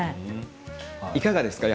いかがですか？